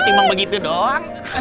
tinggalkan begitu doang